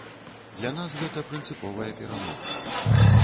Для нас гэта прынцыповая перамога.